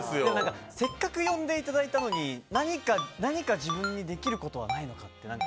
せっかく呼んでいただいたのに何か、自分にできることはないのかって。